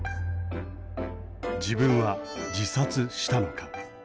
自分は自殺したのか。